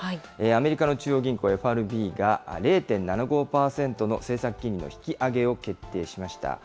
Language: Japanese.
アメリカの中央銀行ＦＲＢが０．７５％の政策金利の引き上げを決定しました。